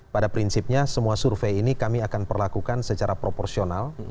pada prinsipnya semua survei ini kami akan perlakukan secara proporsional